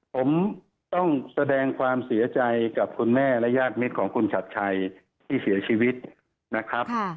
ผมต้องแสดงความเสียใจกับคุณแม่และญาติมิตรของคุณชัดชัยที่เสียชีวิตนะครับ